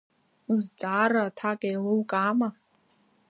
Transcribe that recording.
Узҵаара аҭак еилукаама?